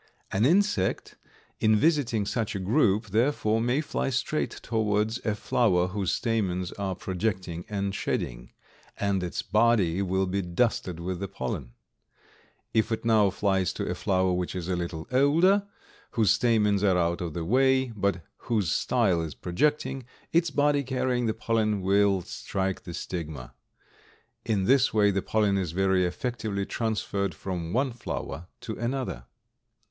An insect, in visiting such a group, therefore, may fly straight towards a flower whose stamens are projecting and shedding, and its body will be dusted with the pollen. If it now flies to a flower which is a little older, whose stamens are out of the way, but whose style is projecting, its body carrying the pollen will strike the stigma. In this way the pollen is very effectively transferred from one flower to another.